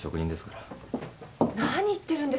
何言ってるんですか？